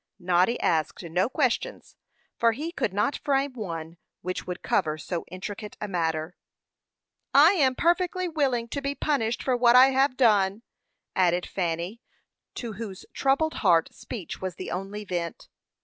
Noddy asked no questions, for he could not frame one which would cover so intricate a matter. "I am perfectly willing to be punished for what I have done," added Fanny, to whose troubled heart speech was the only vent.